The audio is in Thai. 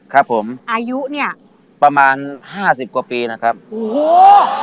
ครับผมอายุเนี้ยประมาณห้าสิบกว่าปีนะครับโอ้โห